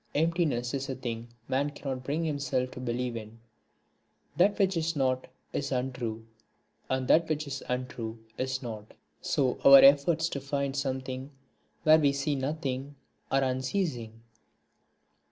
Emptiness is a thing man cannot bring himself to believe in; that which is not, is untrue; that which is untrue, is not. So our efforts to find something, where we see nothing, are unceasing.